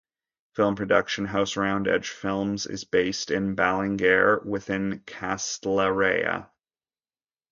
Film production house Round Edge Films is based in Ballingare within Castlerea.